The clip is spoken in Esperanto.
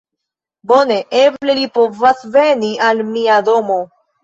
Bone! Eble li povas veni al mia domo!